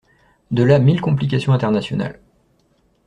De là mille complications internationales.